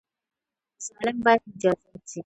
ظالم باید مجازات شي